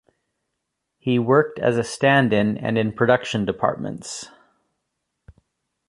He worked as a stand-in and in production departments.